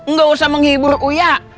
gak usah menghibur uya